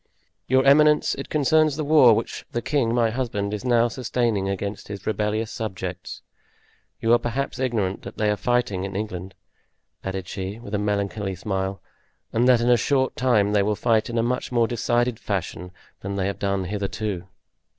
"Your eminence, it concerns the war which the king, my husband, is now sustaining against his rebellious subjects. You are perhaps ignorant that they are fighting in England," added she, with a melancholy smile, "and that in a short time they will fight in a much more decided fashion than they have done hitherto."